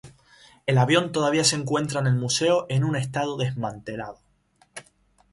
El avión todavía se encuentra en el museo en un estado desmantelado.